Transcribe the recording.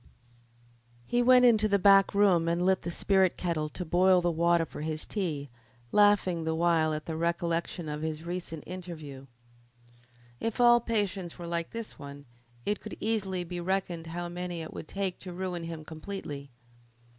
He went into the back room and lit the spirit kettle to boil the water for his tea, laughing the while at the recollection of his recent interview. If all patients were like this one it could easily be reckoned how many it would take to ruin him completely.